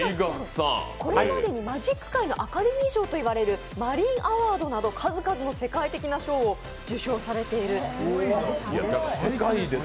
これまでにマジック界のアカデミー賞と言われるマーリン・アワードなど数々の世界的な賞を受賞されているマジシャンです。